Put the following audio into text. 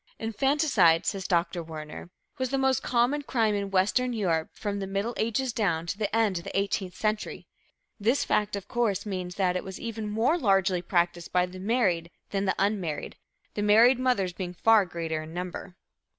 "_ "Infanticide," says Dr. Werner, "was the most common crime in Western Europe from the Middle Ages down to the end of the Eighteenth Century." This fact, of course, means that it was even more largely practiced by the married than the unmarried, the married mothers being far greater in number.